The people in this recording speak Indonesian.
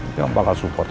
kamu bakal support ya